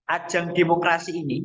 ajang demokrasi ini